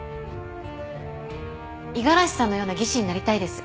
五十嵐さんのような技師になりたいです。